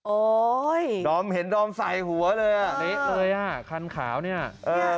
โอ้ยดอมเห็นดอมใส่หัวเลยอ่ะเละเลยอ่ะคันขาวเนี่ยเออ